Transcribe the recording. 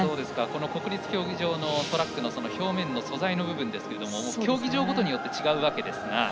国立競技場のトラックの表面の素材の部分ですが競技場によって違いますが。